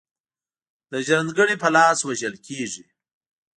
د ژرند ګړي په لاس وژل کیږي.